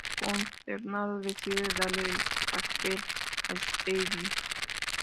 Consternado, decide darle el pastel a Stewie.